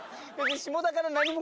下田から何も。